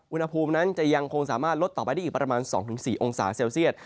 อุณหภูมินั้นจะยังคงสามารถลดต่อไปได้อีกประมาณ๒๔องศาเซลเซียต